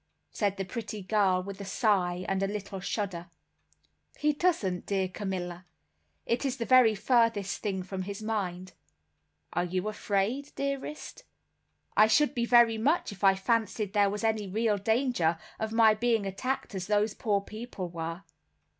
said the pretty girl with a sigh and a little shudder. "He doesn't, dear Carmilla, it is the very furthest thing from his mind." "Are you afraid, dearest?" "I should be very much if I fancied there was any real danger of my being attacked as those poor people were."